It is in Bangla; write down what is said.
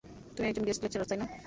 তুমি একজন গেস্ট লেকচারার, তাই না?